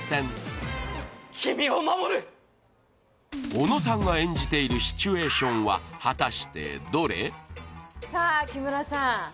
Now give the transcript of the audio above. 小野さんが演じているシチュエーションは果たしてどれ？